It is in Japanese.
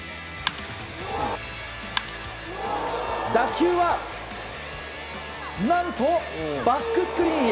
打球は何とバックスクリーンへ！